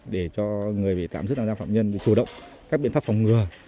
để cho người bị tạm giam phạm nhân chủ động các biện pháp phòng ngừa